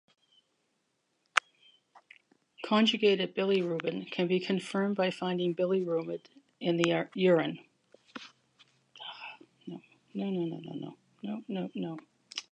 Conjugated bilirubin can be confirmed by finding bilirubin in the urine.